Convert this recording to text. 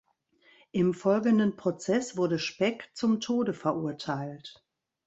Im folgenden Prozess wurde Speck zum Tode verurteilt.